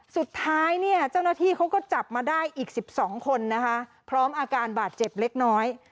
สุดท้ายเนี่ยเจ้าหน้าที่เขาก็จับมาได้อีก๑๒คนนะคะพร้อมอาการบาดเจ็บเล็กน้อย